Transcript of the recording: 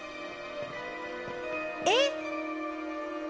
えっ！